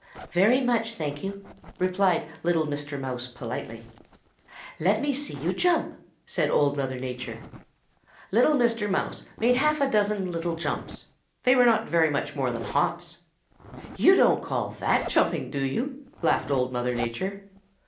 "'Very much, thank you,' replied little Mr. Mouse politely. "'Let me see you jump,' said Old Mother Nature. "Little Mr. Mouse made half a dozen little jumps. They were not much more than hops. 'You don't call that jumping, do you?' laughed Old Mother Nature.